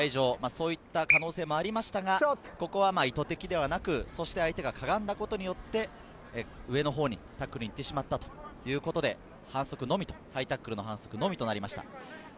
そういった可能性もありましたが、ここは意図的ではなく相手がかがんだことによって、上のほうにタックルに行ってしまったということで、ハイタックルの反則のみということになりました。